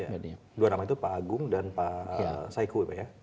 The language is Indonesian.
dua nama itu pak agung dan pak saiku ya